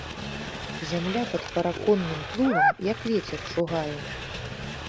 Зямля пад параконным плугам, як вецер, шугае.